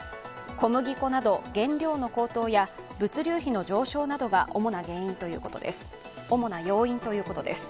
小麦粉など原料の高騰や物流費の上昇などが主な要因ということです。